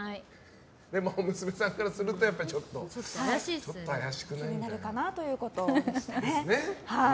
でも娘さんからすると気になるかなということでしたね。